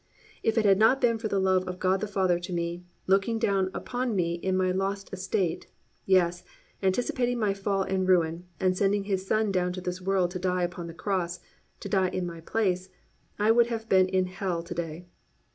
If it had not been for the love of God the Father to me, looking down upon me in my lost estate, yes, anticipating my fall and ruin and sending His Son down to this world to die upon the cross, to die in my place, I would have been in hell to day.